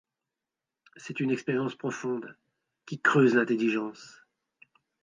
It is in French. C'est une expérience profonde qui creuse l'intelligence.